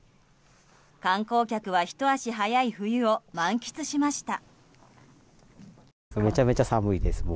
観光客はひと足早い冬を満喫しました。